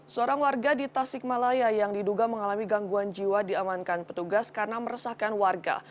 seorang warga di tasikmalaya yang diduga mengalami gangguan jiwa diamankan petugas karena meresahkan warga